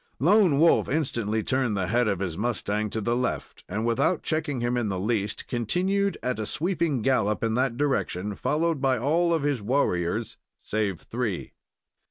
Lone Wolf instantly turned the head of his mustang to the left, and, without checking him in the least, continued at a sweeping gallop in that direction, followed by all of his warriors, save three.